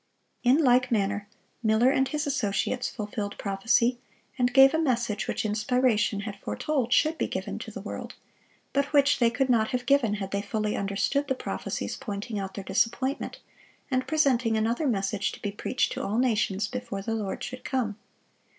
In like manner, Miller and his associates fulfilled prophecy, and gave a message which Inspiration had foretold should be given to the world, but which they could not have given had they fully understood the prophecies pointing out their disappointment, and presenting another message to be preached to all nations before the Lord should come.